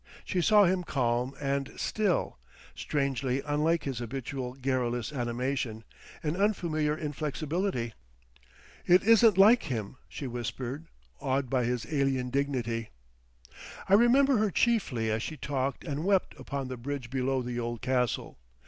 She saw him calm and still, strangely unlike his habitual garrulous animation, an unfamiliar inflexibility. "It isn't like him," she whispered, awed by this alien dignity. I remember her chiefly as she talked and wept upon the bridge below the old castle.